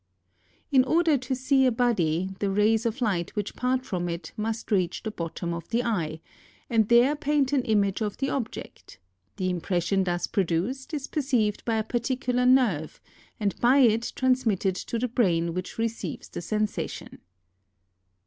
12. In order to see a body, the rays of light which part from it, must reach the bottom of the eye, and there paint an image of the object; the impression thus produced, is received by a par ticular nerve, and by it transmitted to the brain which receives the sensation.